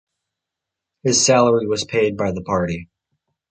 His salary was paid by the party.